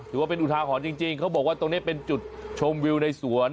ถือว่าเป็นอุทาหรณ์จริงเขาบอกว่าตรงนี้เป็นจุดชมวิวในสวน